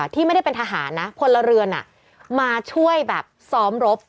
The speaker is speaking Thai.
ที่ไม่ได้เป็นทหารนะพลเรือนมาช่วยแบบซ้อมรบ